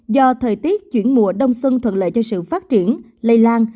do thời tiết chuyển mùa đông xuân thuận lợi cho sự phát triển lây lan